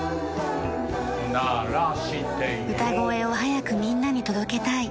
歌声を早くみんなに届けたい。